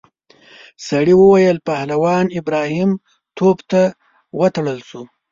سړي وویل پهلوان ابراهیم توپ ته وتړل شو.